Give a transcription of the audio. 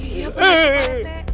iya pak rete